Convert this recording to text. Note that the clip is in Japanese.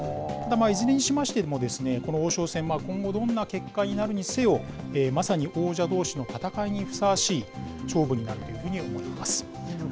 いずれにしましても、この王将戦、今後、どんな結果になるにせよ、まさに王者どうしの戦いにふさわしい勝負になるというふうに思っています。